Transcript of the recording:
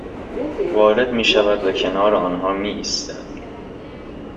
وارد میشود و کنار آنها میایستد